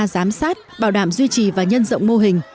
giám sát bảo đảm duy trì và nhân rộng mô hình